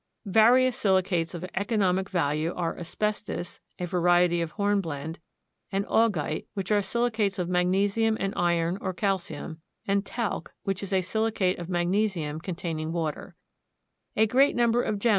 Various silicates of economic value are asbestos, a variety of hornblende, and augite, which are silicates of magnesium and iron or calcium; and talc, which is a silicate of magnesium containing water.